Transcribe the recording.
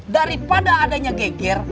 daripada adanya geger